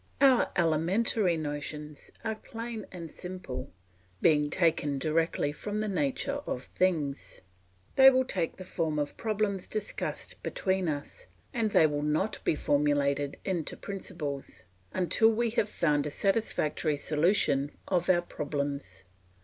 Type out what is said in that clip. Our elementary notions are plain and simple, being taken directly from the nature of things. They will take the form of problems discussed between us, and they will not be formulated into principles, until we have found a satisfactory solution of our problems.